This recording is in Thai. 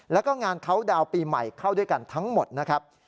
แล้วก็งานเขาดาวน์ปีใหม่เข้าด้วยกันทั้งหมดนะครับ